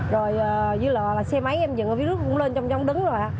rồi dưới lọ là xe máy em dựng ở phía nước cũng lên trong giống đứng rồi ạ